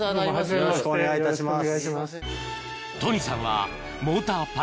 よろしくお願いします。